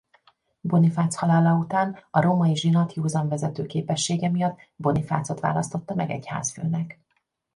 Bonifác halála után a római zsinat józan vezetőképessége miatt Bonifácot választotta meg egyházfőnek.